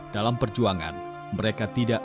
dalam perjuangan mereka tidak